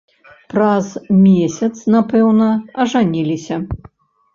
Праз месяц, напэўна, ажаніліся.